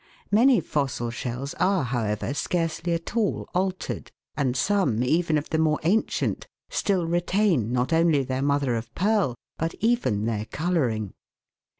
Many fossil shells are, however, scarcely at all altered, and some even of the more ancient still retain not only their mother of pearl, but even their colouring.